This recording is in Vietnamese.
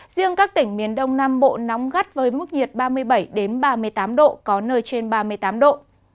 riêng các tỉnh miền đông nam bộ nóng gắt với mức nhiệt ba mươi bảy ba mươi tám độ có nơi trên ba mươi tám độ